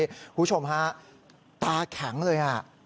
คุณผู้ชมฮะตาแข็งเลย